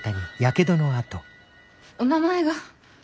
お名前が。